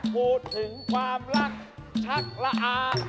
พูดถึงความรักชักละอา